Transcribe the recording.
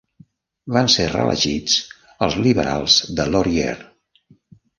Van ser reelegits els liberals de Laurier.